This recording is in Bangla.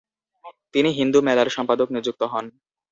তিনি হিন্দু মেলার সম্পাদক নিযুক্ত হন।